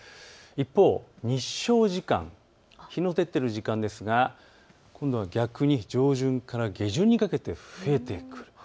一方、日照時間、日の出ている時間ですが今度は逆に上旬から下旬にかけて増えていく。